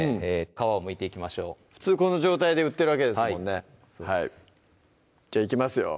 皮をむいていきましょう普通この状態で売ってるわけですもんねじゃあいきますよ